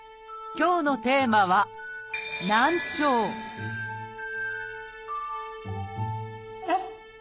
今日のテーマは「難聴」えっ？